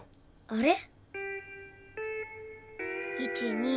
あれ？